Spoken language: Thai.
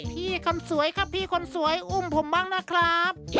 คนสวยครับพี่คนสวยอุ้มผมบ้างนะครับ